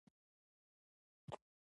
د ولس اړتیاوې له ننه پېژندل کېږي.